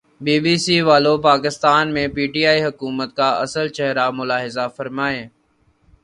be B C والو پاکستان میں P T I حکومت کا اصل چہرا ملاحظہ فرمائیں